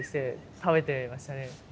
食べてましたね。